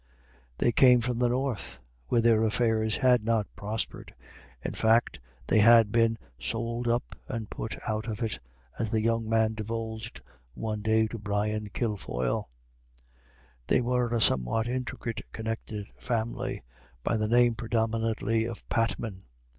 They came from the north, where their affairs had not prospered in fact, they had been "sold up and put out of it," as the young man divulged one day to Brian Kilfoyle. They were a somewhat intricately connected family, by the name, predominantly, of Patman.